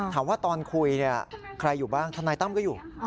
ถามว่าตอนคุยใครอยู่บ้างทนายตั้มก็อยู่